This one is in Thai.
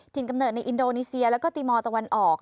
กำเนิดในอินโดนีเซียแล้วก็ตีมอลตะวันออก